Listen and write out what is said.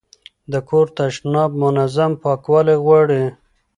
د کور تشناب منظم پاکوالی غواړي.